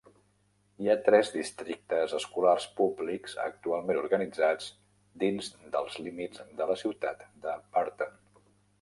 Hi ha tres districtes escolars públics actualment organitzats dins dels límits de la ciutat de Burton.